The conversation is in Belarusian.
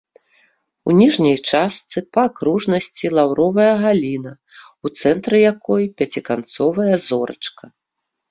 У ніжняй частцы па акружнасці лаўровая галіна, у цэнтры якой пяціканцовая зорачка.